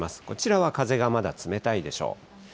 こちらは風がまだ冷たいでしょう。